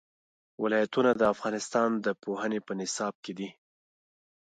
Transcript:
ولایتونه د افغانستان د پوهنې په نصاب کې دي.